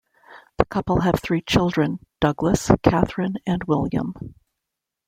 The couple have three children, Douglas, Catherine, and William.